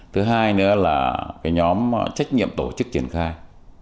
thứ hai nữa là cái nhóm trách nhiệm tổ chức triển khai